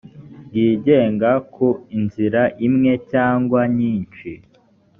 ryigenga ku nzira imwe cyangwa nyinshi